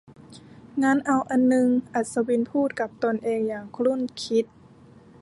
งั้นเอาอันนึง อัศวินพูดกับตนเองอย่างครุ่นคิด